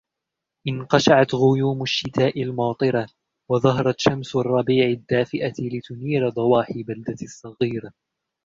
انقشعت غيوم الشتاء الماطرة وظهرت شمس الربيع الدافئة لتنير ضواحي بلدتي الصغيرة.